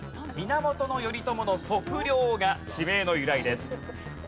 源頼朝の測量が地名の由来です。